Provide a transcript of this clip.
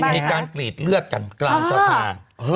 มีการกรีดเลือดกันกลางสะพาน